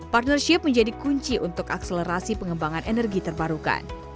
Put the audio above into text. partnership menjadi kunci untuk akselerasi pengembangan energi terbarukan